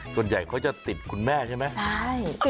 ส่วนใหญ่เขาจะติดคุณแม่ใช่ไหม